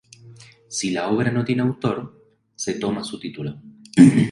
Si la obra no tiene autor, se toma su título.